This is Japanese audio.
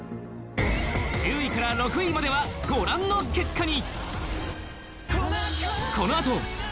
１０位から６位まではご覧の結果に！